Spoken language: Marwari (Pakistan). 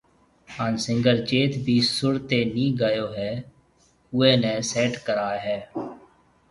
ھان سنگر جيٿ بِي سُر تي ني گايو ھيَََ اوئي ني سيٽ ڪراوي ھيَََ